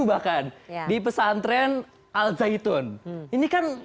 ya sampai saya kesini